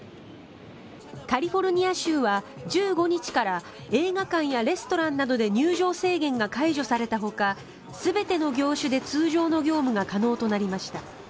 カリフォルニア州は１５日から映画館やレストランなどで入場制限が解除されたほか全ての業種で通常の業務が可能となりました。